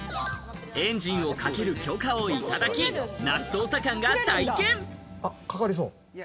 エンジンをかける許可をいただき、那須捜査官が体験。